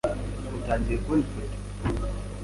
Utangiye kubona ifoto?